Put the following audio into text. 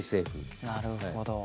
なるほど。